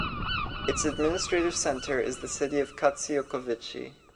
Its administrative center is the city of Kastsioukovitchy.